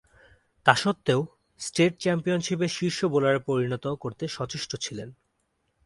তাসত্ত্বেও, state চ্যাম্পিয়নশীপে শীর্ষ বোলারে পরিণত করতে সচেষ্ট ছিলেন।